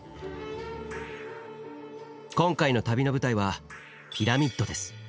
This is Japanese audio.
今回の旅の舞台はピラミッドです。